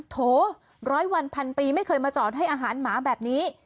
โถร้อยวันพันปีไม่เคยมาจอดให้อาหารหมาแบบนี้